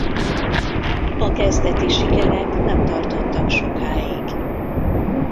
A kezdeti sikerek nem tartottak sokáig.